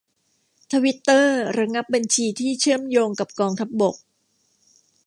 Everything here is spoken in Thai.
ทวิตเตอร์ระงับบัญชีที่เชื่อมโยงกับกองทัพบก